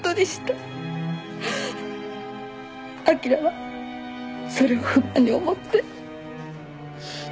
明良はそれを不満に思って。